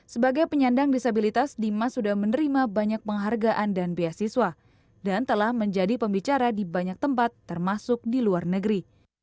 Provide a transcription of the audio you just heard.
sebagai penyandang disabilitas dimas sudah menerima banyak penghargaan dan beasiswa dan telah menjadi pembicara di banyak tempat termasuk di luar negeri